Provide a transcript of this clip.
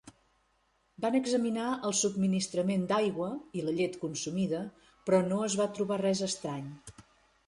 Van examinar el subministrament d'aigua i la llet consumida, però no es va trobar res estrany.